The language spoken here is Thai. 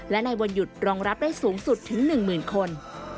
และในวันหยุดรองรับได้สูงสุดถึง๑๐๐๐คน